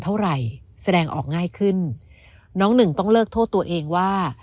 แสดงออกง่ายขึ้นน้องหนึ่งต้องเลิกโทษตัวเองว่า